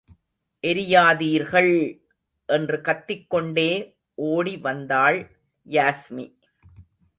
எரியாதீர்கள்! என்றுக் கத்திக்கொண்டே ஓடி வந்தாள் யாஸ்மி.